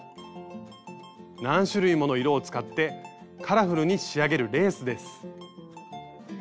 何種類もの色を使ってカラフルに仕上げるレースです。